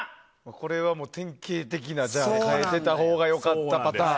これは典型的な変えてたほうが良かったパターン。